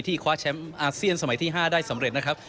คว้าแชมป์อาเซียนสมัยที่๕ได้สำเร็จนะครับ